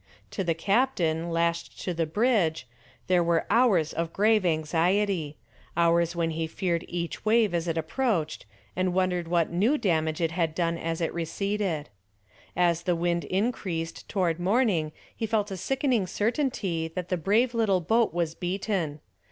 To the captain, lashed to the bridge, there were hours of grave anxiety hours when he feared each wave as it approached, and wondered what new damage it had done as it receded. As the wind increased toward morning he felt a sickening certainty that the brave little boat was beaten.